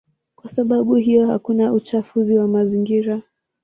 Kwa sababu hiyo hakuna uchafuzi wa mazingira.